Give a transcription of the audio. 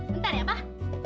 bentar ya abah